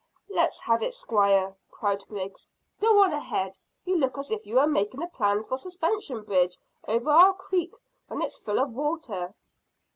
"Let's have it, squire," cried Griggs. "Go on ahead. You look as if you were making a plan for a suspension bridge over our creek when it's full of water."